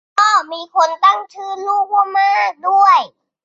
อ้อมีคนตั้งชื่อลูกว่ามากด้วย